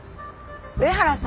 上原さん